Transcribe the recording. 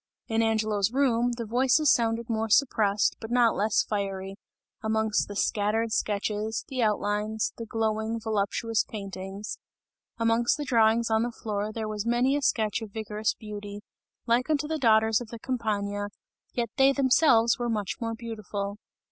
In Angelo's room, the voices sounded more suppressed but not less fiery, amongst the scattered sketches, the outlines, the glowing, voluptuous paintings; amongst the drawings on the floor there was many a sketch of vigorous beauty, like unto the daughters of the Campagna, yet they themselves were much more beautiful.